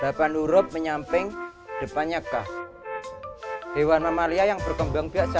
dapat nurut menyamping depannya kah hewan mamalia yang berkembang biasa